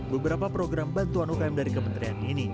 beberapa program bantuan ukm dari kementerian ini